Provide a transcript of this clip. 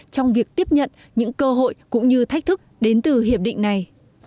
trong việc tiếp nhận những cơ hội cũng như thách thức đến từ hiệp định này